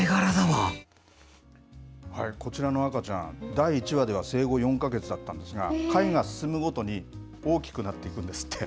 こちらの赤ちゃん、第１話では生後４か月だったんですが、回が進むごとに大きくなっていくんですって。